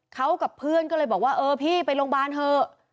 เขากับเพื่อนก็เลยบอกว่าเออพี่ไปโรงพยาบาลเถอะ